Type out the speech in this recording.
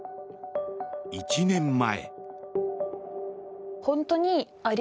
１年前。